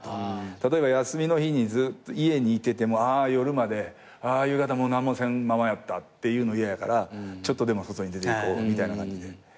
例えば休みの日にずっと家にいててもあ夜まであ夕方も何もせんままやったっていうの嫌やからちょっとでも外に出ていこうみたいな感じで。